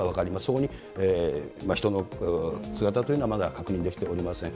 そこに人の姿というのはまだ確認できておりません。